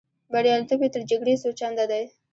بریالیتوب یې تر جګړې څو چنده دی.